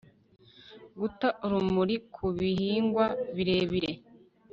guta urumuri ku bihingwa birebire